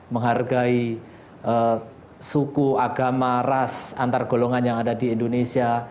menghargai suku agama ras antar golongan yang ada di indonesia